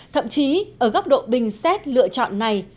thậm chí ở góc độ bình xét lựa chọn này